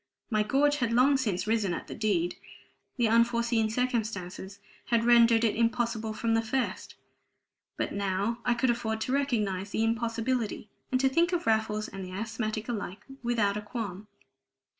My gorge had long since risen at the deed; the unforeseen circumstances had rendered it impossible from the first; but now I could afford to recognize the impossibility, and to think of Raffles and the asthmatic alike without a qualm.